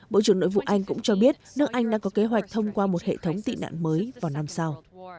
bộ trưởng nội vụ anh cũng cho biết nước anh đang có kế hoạch thông qua một hệ thống tị nạn mới vào năm sau